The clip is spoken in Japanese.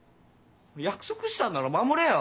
約束したんなら守れよ！